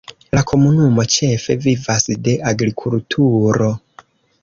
La komunumo ĉefe vivas de agrikulturo.